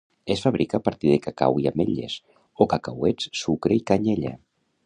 Es fabrica a partir de cacau i ametlles o cacauets, sucre i canyella.